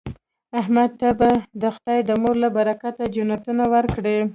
احمد ته به خدای د مور له برکته جنتونه ورکړي.